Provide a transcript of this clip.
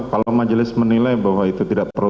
kalau majelis menilai bahwa itu tidak perlu